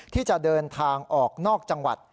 ที่จะเดินทางออกนอกจังหวัด